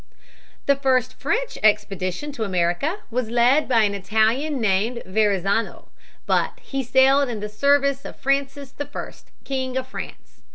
The first French expedition to America was led by an Italian named Verrazano (Ver rä tsä' no), but he sailed in the service of Francis I, King of France.